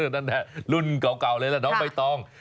นั่นแหละรุ่นเก่าเลยล่ะน้องใบตอง